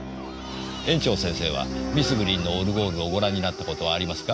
園長先生はミス・グリーンのオルゴールをご覧になった事はありますか？